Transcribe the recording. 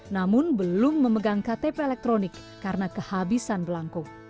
namun belum memegang ktp elektronik karena kehabisan belangko